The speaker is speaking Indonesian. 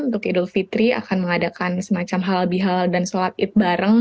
untuk idul fitri akan mengadakan semacam halal bihal dan sholat it bareng